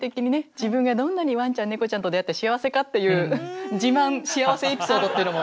自分がどんなにワンちゃんネコちゃんと出会って幸せかっていう自慢幸せエピソードっていうのも。